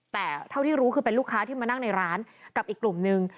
แต่เท่าที่รู้คือเป็นลูกค้าที่มานั่งในร้านกับอีกกลุ่มนึง